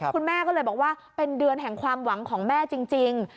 คุณแม่ก็เลยบอกว่าเป็นเดือนแห่งความหวังของแม่จริง